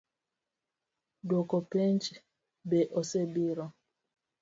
Duoko penj be osebiro?